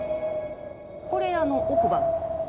これ奥歯。